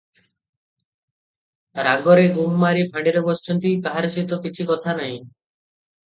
ରାଗରେ ଗୁମ୍ ମାରି ଫାଣ୍ଡିରେ ବସିଛନ୍ତି, କାହାରି ସହିତ କିଛି କଥା ନାହିଁ ।